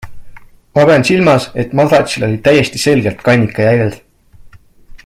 Ma pean silmas, et madratsil olid täiesti selged kannika jäljed.